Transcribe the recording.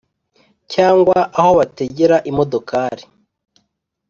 Cg aho bategera imodokari